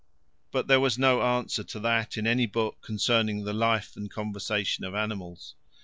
But there was no answer to that in any book concerning the "life and conversation of animals."